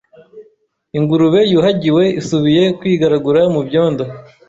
ingurube yuhagiwe isubiye kwigaragura mubyondo